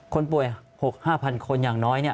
คนป่วย๖๕พันคนอย่างน้อยเนี่ย